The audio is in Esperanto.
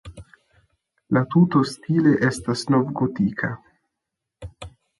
La tuto stile estas novgotika.